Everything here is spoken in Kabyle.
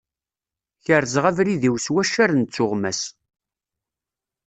Kerzeɣ abrid-iw s waccaren d tuɣmas.